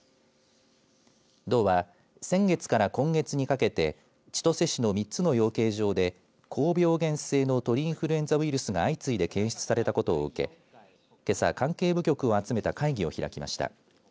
道は先月から今月にかけて千歳市の３つの養鶏場で高病原性の鳥インフルエンザウイルスが相次いで検出されたことを受けけさ関係部局を集めた会議を開きました。